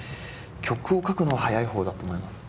曲を書くのは早い方だと思います。